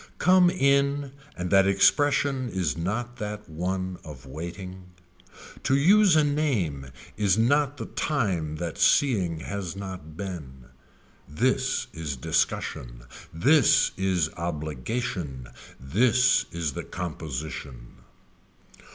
Come in and that expression is not that one of waiting. To use a name is not the time that seeing has not been. This is discussion. This is obligation. This is the composition.